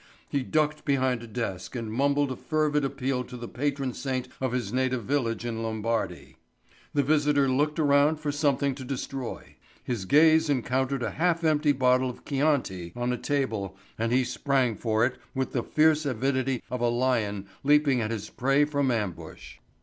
He ducked behind a desk and mumbled a fervid appeal to the patron saint of his native village in Lombardy. The visitor looked around for something to destroy. His gaze encountered a half empty bottle of Chianti on a table and he sprang for it with the fierce avidity of a lion leaping at his prey from ambush.